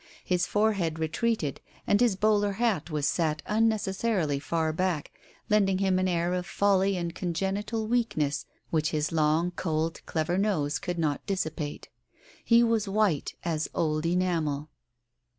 His forehead retreated, and his bowler hat was set unnecessarily far back, lending him an air of folly and congenital weakness which his long, cold, clever nose could not dissipate. He was white as old enamel.